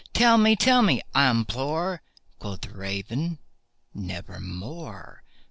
—tell me—tell me, I implore!" Quoth the Raven, "Nevermore."